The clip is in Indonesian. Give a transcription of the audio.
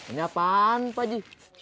ini apaan pak ji